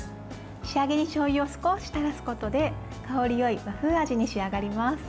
仕上げにしょうゆを少したらすことで香りよい和風味に仕上がります。